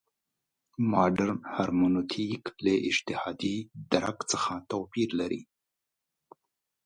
مډرن هرمنوتیک له اجتهادي درک څخه توپیر لري.